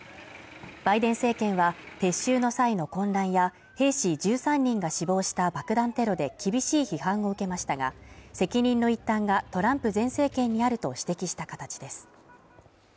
バイデン政権は撤収の際の混乱や兵士１３人が死亡した爆弾テロで厳しい批判を受けましたが、責任の一端がトランプ前政権にあると指摘した形です。